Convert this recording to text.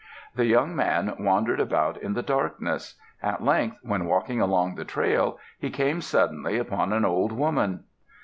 The young man wandered about in the darkness. At length when walking along the trail, he came suddenly upon an old woman.